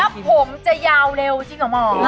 แล้วผมจะยาวเร็วจริงหรือ